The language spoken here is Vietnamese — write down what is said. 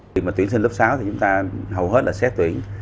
khi mà tuyển sinh lớp sáu thì chúng ta hầu hết là xét tuyển